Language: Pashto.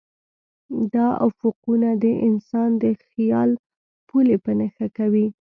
دا افقونه د انسان د خیال پولې په نښه کوي.